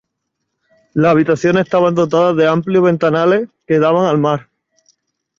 Las habitaciones estaban dotadas de amplios ventanales que daban al mar.